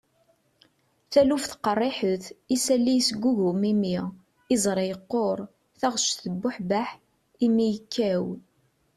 taluft qerriḥet, isalli yesgugum imi, iẓri yeqquṛ, taɣect tebbuḥbeḥ, imi yekkaw